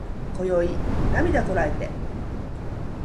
今宵涙こらえて